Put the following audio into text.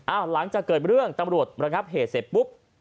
หลังจากเกิดเรื่องตำรวจระงับเหตุเสร็จปุ๊บ